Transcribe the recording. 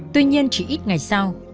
tuy nhiên chỉ ít ngày sau